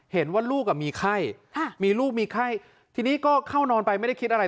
เห็นว่าลูกมีไข้มีลูกมีไข้ทีนี้ก็เข้านอนไปไม่ได้คิดอะไร